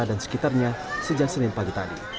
dan sekitarnya sejak senin pagi tadi